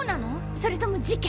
それとも事件？